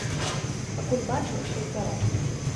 Пакуль бачу, што збяром.